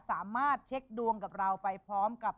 สามารถเช็คดวงกับเราไปพร้อมกับ